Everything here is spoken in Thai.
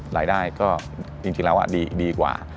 รายได้ก็จริงแล้วดีกว่า